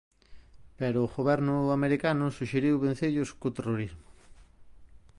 Pero o goberno americano suxeriu vencellos co terrorismo.